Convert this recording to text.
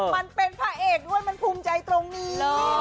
มันเป็นพระเอกด้วยมันภูมิใจตรงนี้